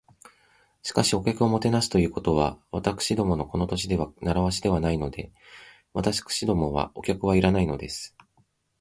「しかし、お客をもてなすということは、私どものこの土地では慣わしではないので。私どもはお客はいらないのです」